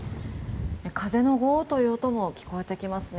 風のゴーッという音も聞こえてきますね。